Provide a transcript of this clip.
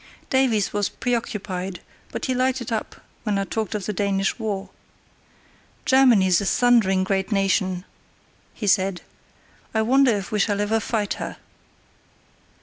Davies was preoccupied, but he lighted up when I talked of the Danish war. "Germany's a thundering great nation," he said; "I wonder if we shall ever fight her."